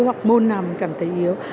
hoặc môn nào mình cảm thấy yếu